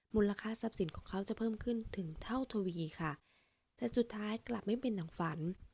มูลค่าทรัพย์สินของเขาจะเพิ่มขึ้นถึงเท่าทวีค่ะแต่สุดท้ายกลับไม่เป็นหนังฝัน